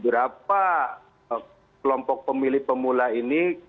berapa kelompok pemilih pemula ini